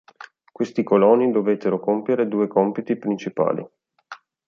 Questi coloni dovettero compiere due compiti principali.